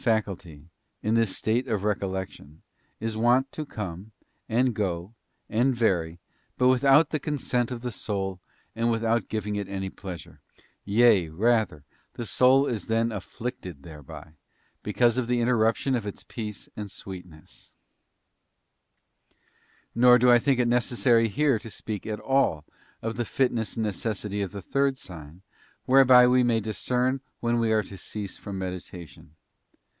faculty, in this state of recollection, is wont to come, and go, and vary, but without the consent of the soul and without giving it any pleasure; yea, rather, the soul is then afflicted thereby, because of the interruption of its peace and sweet ness. Third sign. Nor do I think it necessary here to speak at all of the fitness and necessity of the third sign, whereby we may discern when we are to cease from meditation.